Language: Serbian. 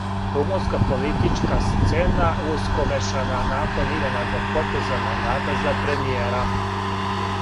Румунска политичка сцена ускомешана након изненадног потеза мандатара за премијера